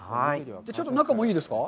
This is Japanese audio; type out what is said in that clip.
ちょっと中もいいですか？